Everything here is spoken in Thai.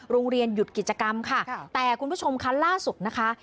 หยุดกิจกรรมค่ะแต่คุณผู้ชมคะล่าสุดนะคะ